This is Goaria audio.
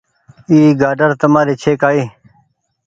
اي گآڊر تمآري ڇي ڪآئي